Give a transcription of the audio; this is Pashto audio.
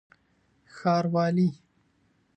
ښاروالي